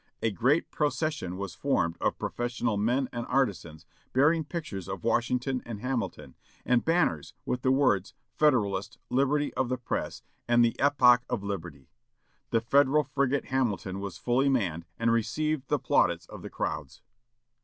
A great procession was formed of professional men and artisans, bearing pictures of Washington and Hamilton, and banners, with the words "Federalist," "Liberty of the Press," and "The Epoch of Liberty." The federal frigate Hamilton was fully manned, and received the plaudits of the crowds.